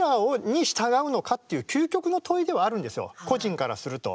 個人からすると。